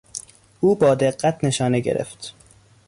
او با دقت نشانه گرفت.